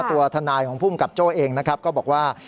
ตัวทนายของภูมิกับโจ้เองนะครับก็บอกว่า